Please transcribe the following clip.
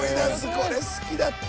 これ好きだった！